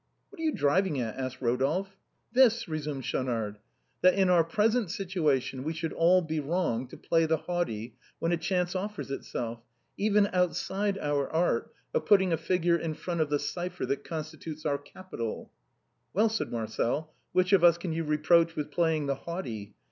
" What are 3^ou driving at ?" asked Rodolphe. " This," resumed Schaunard, " that in our present situ ation we should all be wrong to play the haughty when a chance offers itself, even outside our art, of putting a figure in front of the cipher that constitutes our capital." " Well !" said Marcel, " which of us can you reproach with playing the haughty.